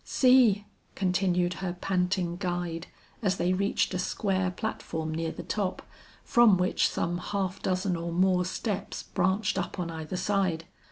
"See," continued her panting guide as they reached a square platform near the top, from which some half dozen or more steps branched up on either side.